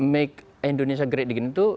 make indonesia great again tuh